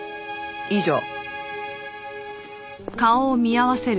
以上。